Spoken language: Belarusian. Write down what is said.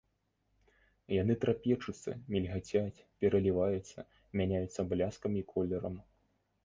Яны трапечуцца, мільгацяць, пераліваюцца, мяняюцца бляскам і колерам.